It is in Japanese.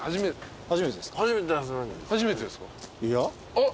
いや。